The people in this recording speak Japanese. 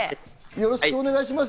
よろしくお願いします。